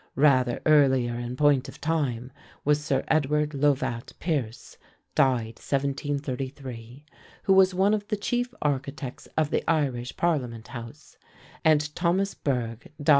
Rather earlier in point of time was Sir Edward Lovat Pearce (d. 1733), who was one of the chief architects of the Irish Parliament House, and Thomas Burgh (d.